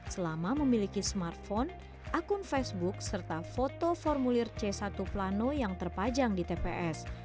selama memiliki smartphone akun facebook serta foto formulir c satu plano yang terpajang di tps